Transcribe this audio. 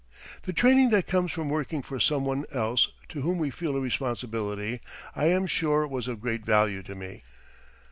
The training that comes from working for some one else, to whom we feel a responsibility, I am sure was of great value to me.